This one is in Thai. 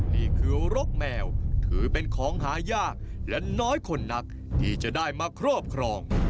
นี่คือรกแมวถือเป็นของหายากและน้อยคนนักที่จะได้มาครอบครอง